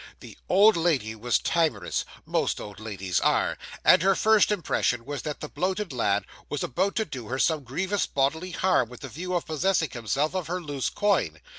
The old lady was timorous most old ladies are and her first impression was that the bloated lad was about to do her some grievous bodily harm with the view of possessing himself of her loose coin.